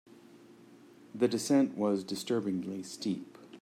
The descent was disturbingly steep.